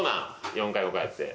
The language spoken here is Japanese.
４回５回やって。